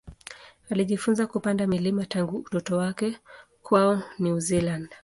Alijifunza kupanda milima tangu utoto wake kwao New Zealand.